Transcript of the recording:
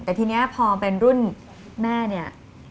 แต่ทีนี้พอเป็นรุ่นแม่เนี่ย